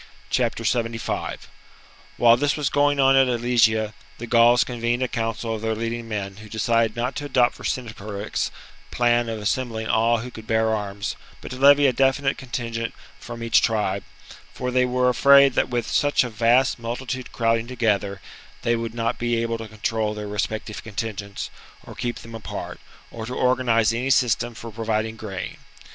75. While this was going on at Alesia, the Gauls convened a council of their leading men, who decided not to adopt Vercingetorix's plan of assembling all who could bear arms, but to levy a definite contingent from each tribe ; for they were afraid that with such a vast multitude crowding together they would not be able to control their respective contingents or keep them apart, or to organize any system for providing grain.